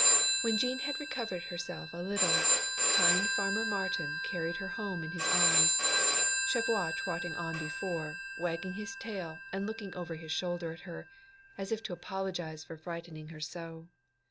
When Jean had recovered herself a little, kind Farmer Martin carried her home in his arms, Cheviot trotting on before, wagging his tail and looking over his shoulder at her, as if to apologise for frightening her so.